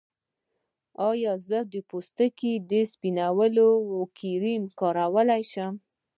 ایا زه د پوستکي سپینولو کریم کارولی شم؟